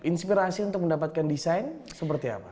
inspirasi untuk mendapatkan desain seperti apa